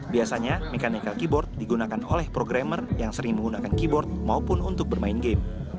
biasanya mechanical keyboard digunakan oleh programmer yang sering menggunakan keyboard maupun untuk bermain game